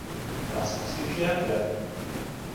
Das muss geklärt werden.